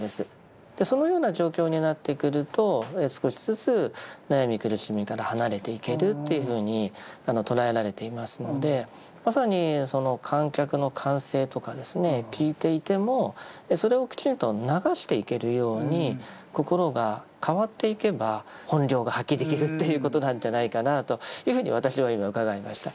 そのような状況になってくると少しずつ悩み苦しみから離れていけるというふうに捉えられていますのでまさにその観客の歓声とかですね聞いていてもそれをきちんと流していけるように心が変わっていけば本領が発揮できるということなんじゃないかなというふうに私は今伺いました。